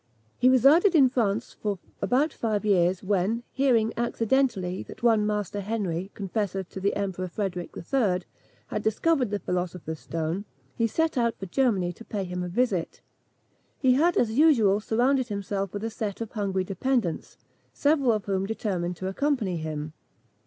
He resided in France for about five years, when, hearing accidentally that one Master Henry, confessor to the Emperor Frederic III., had discovered the philosopher's stone, he set out for Germany to pay him a visit. He had, as usual, surrounded himself with a set of hungry dependants, several of whom determined to accompany him.